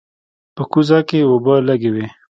په کوزه کې اوبه لږې وې.